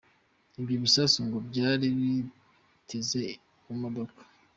Ibyo bisasu ngo byari biteze mu modoka.